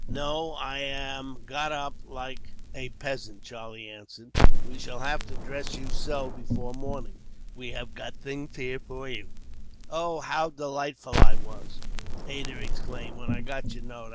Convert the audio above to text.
"No, I am got up like a peasant," Charlie answered. "We shall have to dress you so, before morning. We have got things here for you." "Oh, how delighted I was," Ada exclaimed, "when I got your note!